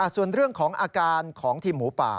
ส่วนเรื่องของอาการของทีมหมูป่า